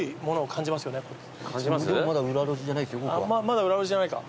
まだ裏路地じゃないか。